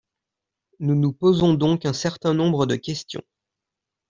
Nous nous posons donc un certain nombre de questions.